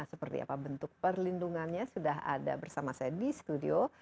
seperti apa bentuk perlindungannya sudah ada bersama saya di studio